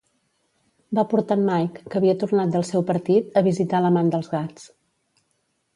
Va portar en Mike, que havia tornat del seu partit, a visitar l'amant dels gats.